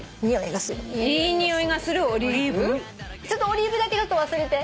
ちょっとオリーブだけ忘れて。